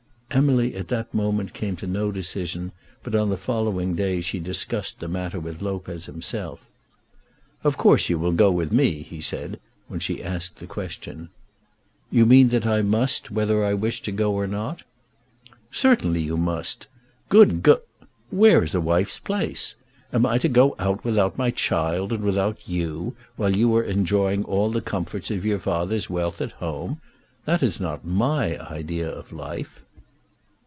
Emily at that moment came to no decision, but on the following day she discussed the matter with Lopez himself. "Of course you will go with me," he said, when she asked the question. "You mean that I must, whether I wish to go or not." "Certainly you must. Good G ! where is a wife's place? Am I to go out without my child, and without you, while you are enjoying all the comforts of your father's wealth at home? That is not my idea of life."